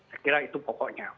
saya kira itu pokoknya